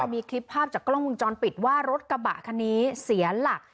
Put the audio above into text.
มีคลิปภาพจากกล้องวงจรปิดว่ารถกระบะคันนี้เสียหลัก